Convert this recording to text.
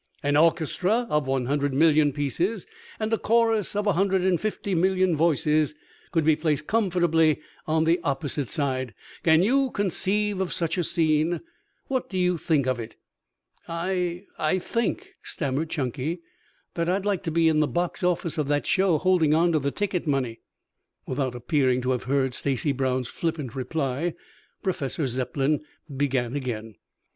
"An orchestra of one hundred million pieces and a chorus of a hundred and fifty million voices could be placed comfortably on the opposite side. Can you conceive of such a scene? What do you think of it?" "I I think," stammered Chunky, "that I'd like to be in the box office of that show holding on to the ticket money." Without appearing to have heard Stacy Brown's flippant reply, Professor Zepplin began again.